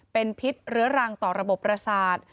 เป็นพิษเรื้อรังต่อระบบประสาท